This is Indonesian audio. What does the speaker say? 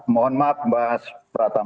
mohon maaf mbak pratama